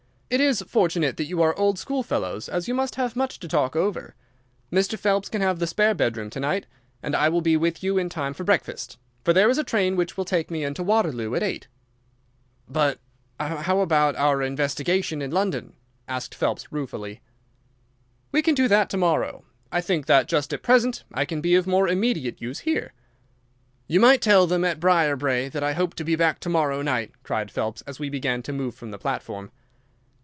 It is fortunate that you are old schoolfellows, as you must have much to talk over. Mr. Phelps can have the spare bedroom to night, and I will be with you in time for breakfast, for there is a train which will take me into Waterloo at eight." "But how about our investigation in London?" asked Phelps, ruefully. "We can do that to morrow. I think that just at present I can be of more immediate use here." "You might tell them at Briarbrae that I hope to be back to morrow night," cried Phelps, as we began to move from the platform.